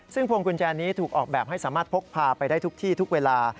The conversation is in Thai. ซึ่งพวงกุญแจนี้ถูกออกแบบให้สามารถพกพาไปได้ทุกที่ทุกเวลา